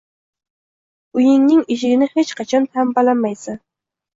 Uyingning eshigini hech qachon tambalamaysan